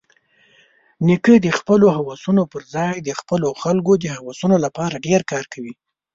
نیکه د خپلو هوسونو پرځای د خپلو خلکو د هوسونو لپاره ډېر کار کوي.